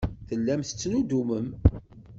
Tellam tettnuddumem.